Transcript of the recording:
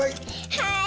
はい！